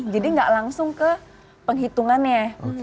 jadi nggak langsung ke penghitungannya